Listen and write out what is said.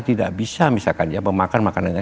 tidak bisa misalkan ya memakan makanannya